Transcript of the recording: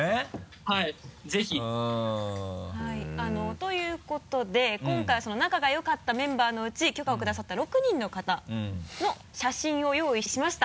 はいぜひ！ということで今回はその仲が良かったメンバーのうち許可をくださった６人の方の写真を用意しました。